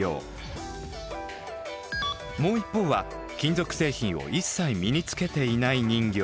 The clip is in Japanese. もう一方は金属製品を一切身につけていない人形。